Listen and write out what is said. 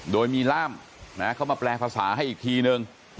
โดยมีล่ามเข้ามาแปลภาษาให้อีกทีนึง